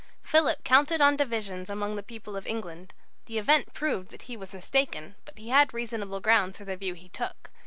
Philip counted on divisions among the people of England. The event proved that he was mistaken, but he had reasonable grounds for the view he took.